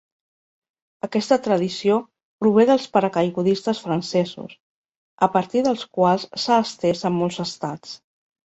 Aquesta tradició prové dels paracaigudistes francesos, a partir dels quals s'ha estès a molts estats.